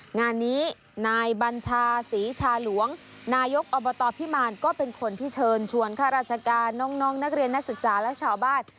งานนี้นายบัญชาศรีชาหลวงนายกอบตพิมารก็เป็นคนที่เชิญชวนข้าราชการน้องนักเรียนนักศึกษาและชาวบ้าน